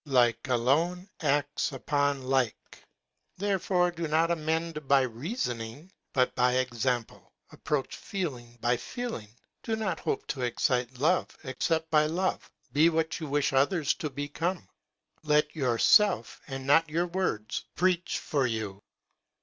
Like alone acts upon like. There AMIEL'S JOURNAL. 25 fore do not amend by reasoning, but by ex ample ; approach feeling by feeling; do not hope to excite love except by love. Be what you wish others to become. Let your self and not your words preach for you.